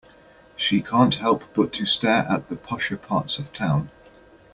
She can't help but to stare at the posher parts of town.